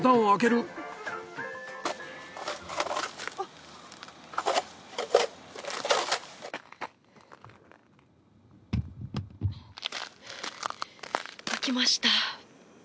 開きました。